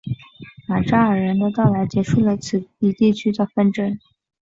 马扎尔人的到来结束了此一地区的纷争。